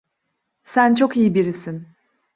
Sen çok iyi birisin.